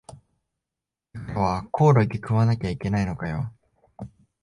これからはコオロギ食わなきゃいけないのかよ